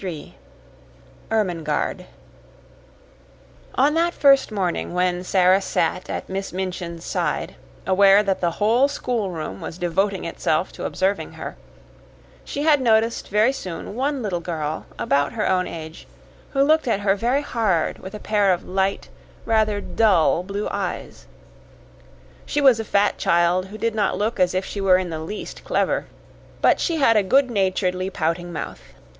3 Ermengarde On that first morning, when Sara sat at Miss Minchin's side, aware that the whole schoolroom was devoting itself to observing her, she had noticed very soon one little girl, about her own age, who looked at her very hard with a pair of light, rather dull, blue eyes. She was a fat child who did not look as if she were in the least clever, but she had a good naturedly pouting mouth.